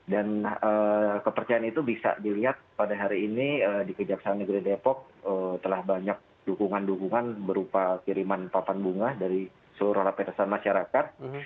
dan kepercayaan itu bisa dilihat pada hari ini di kejaksaan negeri depok telah banyak dukungan dukungan berupa kiriman papan bunga dari seluruh lapisan masyarakat